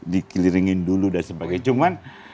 dikiliringin dulu dan sebagainya